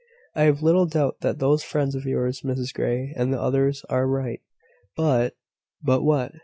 "I have little doubt that those friends of yours Mrs Grey and the others are right. But ." "But what?"